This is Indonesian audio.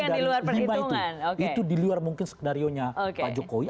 itu yang di luar perhitungan itu diluar mungkin skenario pak jokowi